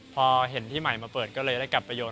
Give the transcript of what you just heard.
พอเห็นที่ใหม่มาเปิดก็เลยได้กลับไปโยน